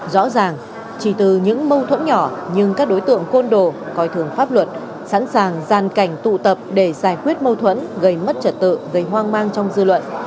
rõ ràng chỉ từ những mâu thuẫn nhỏ nhưng các đối tượng côn đồ coi thường pháp luật sẵn sàng gian cảnh tụ tập để giải quyết mâu thuẫn gây mất trật tự gây hoang mang trong dư luận